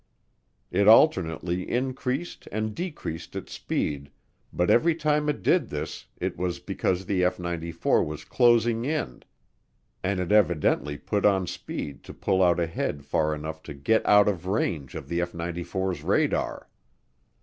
It alternately increased and decreased its speed, but every time it did this it was because the F 94 was closing in and it evidently put on speed to pull out ahead far enough to get out of range of the F 94's radar.